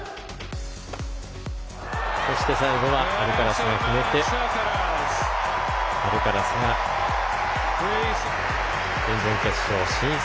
そして最後はアルカラスが決めてアルカラスが準々決勝進出